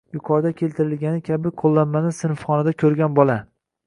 Yuqorida keltirilgani kabi qo‘llanmani sinfxonada ko‘rgan bola